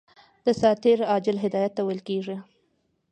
دساتیر عاجل هدایت ته ویل کیږي.